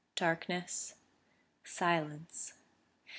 darkness ... silence...